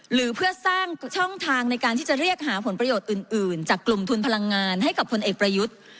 หรือเพื่อสร้างช่องทางในการที่จะเรียกหาผลประโยชน์อื่นจากกลุ่มทุนพลังงานให้กับพลเอกประยุทธ์